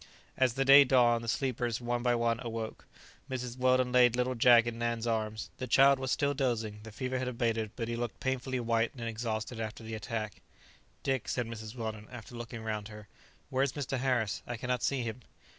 As the day dawned the sleepers, one by one, awoke. Mrs. Weldon laid little Jack in Nan's arms. The child was still dozing; the fever had abated, but he looked painfully white and exhausted after the attack. "Dick," said Mrs. Weldon, after looking round her, "where is Mr. Harris? I cannot see him."